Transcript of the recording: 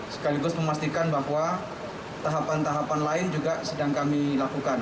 sekaligus memastikan bahwa tahapan tahapan lain juga sedang kami lakukan